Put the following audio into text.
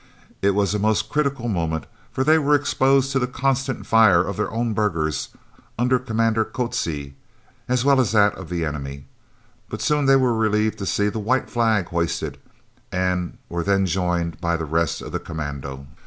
It was a most critical moment, for they were exposed to the constant fire of their own burghers, under Commandant Coetzee, as well as that of the enemy, but soon they were relieved to see the white flag hoisted, and were then joined by the rest of the commando.